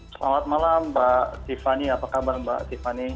selamat malam mbak tiffany apa kabar mbak tiffany